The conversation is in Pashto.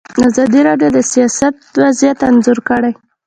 ازادي راډیو د سیاست وضعیت انځور کړی.